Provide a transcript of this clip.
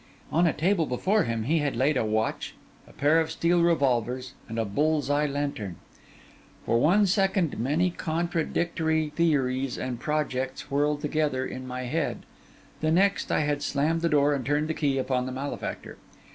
On a table before him he had laid a watch, a pair of steel revolvers, and a bull's eye lantern. For one second many contradictory theories and projects whirled together in my head; the next, I had slammed the door and turned the key upon the malefactor.